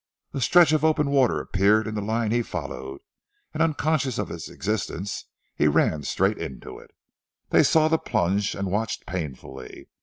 A stretch of open water appeared in the line he followed, and unconscious of its existence, he ran straight into it. They saw the plunge, and watched painfully.